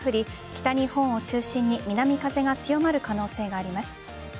北日本を中心に南風が強まる可能性があります。